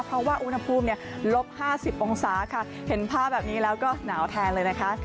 เพราะว่าอุณหภูมิลบ๕๐องศาค่ะเห็นภาพแบบนี้แล้วก็หนาวแทนเลยนะคะ